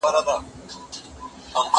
زه له سهاره مېوې وچوم!؟